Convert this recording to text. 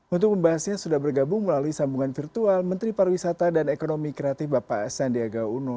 untuk membahasnya sudah bergabung melalui sambungan virtual menteri pariwisata dan ekonomi kreatif bapak sandiaga uno